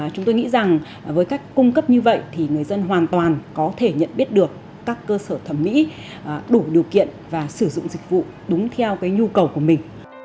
chúng tôi nghĩ rằng với cách cung cấp như vậy thì người dân hoàn toàn có thể nhận biết được các cơ sở thẩm mỹ đủ điều kiện và sử dụng dịch vụ đúng theo nhu cầu của mình